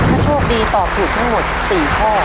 ถ้าโชคดีตอบถูกทั้งหมด๔ข้อ